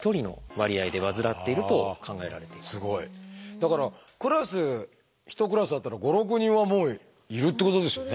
だからクラス１クラスあったら５６人はいるっていうことですよね。